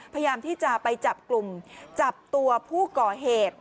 พยายามที่จะไปจับกลุ่มจับตัวผู้ก่อเหตุ